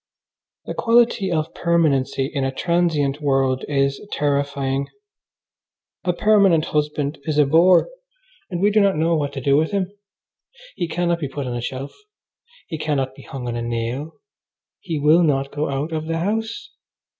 The quality of permanency in a transient world is terrifying. A permanent husband is a bore, and we do not know what to do with him. He cannot be put on a shelf. He cannot be hung on a nail. He will not go out of the house.